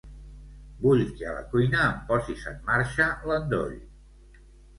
Vull que a la cuina em posis en marxa l'endoll.